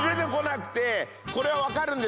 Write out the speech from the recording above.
これは分かるんです。